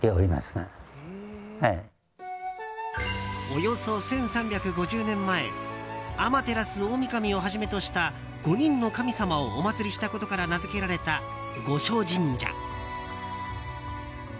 およそ１３５０年前天照大神をはじめとした五人の神様をお祭りしたことから名づけられた五所神社。